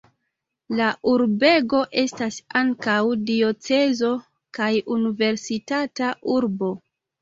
La urbego estas ankaŭ diocezo kaj universitata urbo.